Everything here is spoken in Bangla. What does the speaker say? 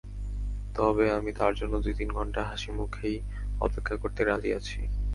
তবে আমি তাঁর জন্য দুই-তিন ঘণ্টা হাসিমুখেই অপেক্ষা করতে রাজি আছি।